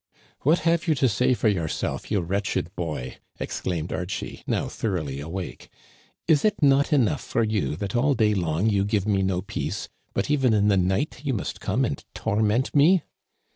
" What have you to say for yourself, you wretched boy ?" exclaimed Archie, now thoroughly awake. Is it not enough for you that all day long you give me no peace, but even in the night you must come and torment me?"